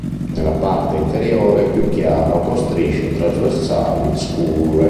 Nella parte inferiore è più chiaro con strisce trasversali scure.